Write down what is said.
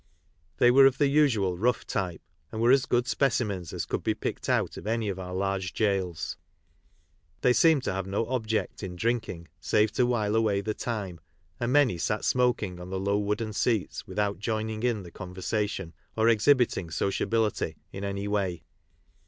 They where of the usual "rough type," and were as good specimens as could be picked out of any of our large gaols. They seemed to have no object in drinking save to while away the time, and many sat smoking on the low wooden seats, without joining in the conversation or exhibiting sociability in any way.